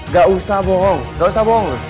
gak usah bohong